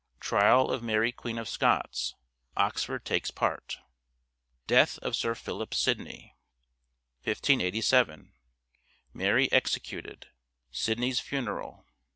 Trial of Mary Queen of Scots — Oxford takes part. Death of Sir Philip Sidney. 1587. Mary executed. Sidney's funeral.